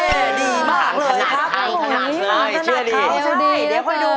เฮ่ยดีมากเลยมาสนั่งทางนี่เชื่อดีอยู่ดีกว่าเดี๋ยวไปดู